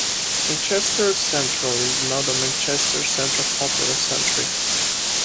Manchester Central is now the Manchester Central Conference Centre.